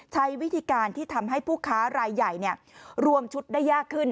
ใช้วิธีการที่ทำให้ผู้ค้ารายใหญ่รวมชุดได้ยากขึ้น